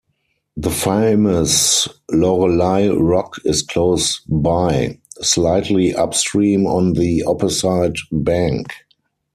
The famous Lorelei rock is close-by, slightly upstream on the opposite bank.